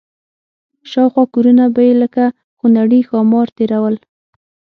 شاوخوا کورونه به یې لکه خونړي ښامار تېرول.